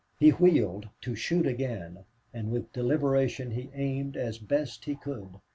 He wheeled to shoot again, and with deliberation he aimed as best he could.